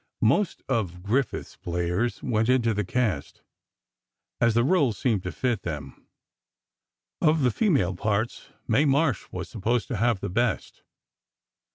Most of Griffith's players went into the cast, as the rôles seemed to fit them. Of the female parts, Mae Marsh was supposed to have the best.